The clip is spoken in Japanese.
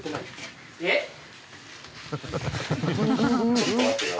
ちょっと待てよ。